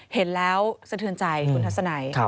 เห็นแล้วสะเทือนใจคุณทัศนัย